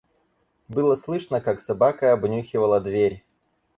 Было слышно, как собака обнюхивала дверь.